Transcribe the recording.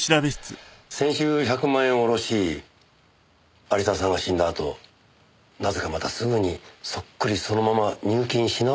先週１００万円を下ろし有沢さんが死んだあとなぜかまたすぐにそっくりそのまま入金し直してますよね。